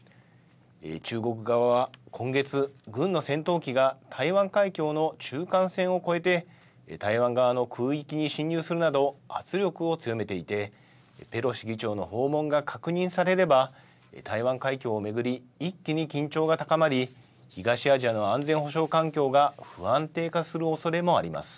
中国側は、今月軍の戦闘機が台湾海峡の中間線を超えて、台湾側の空域に進入するなど圧力を強めていてペロシ議長の訪問が確認されれば台湾海峡を巡り一気に緊張が高まり東アジアの安全保障環境が不安定化するおそれもあります。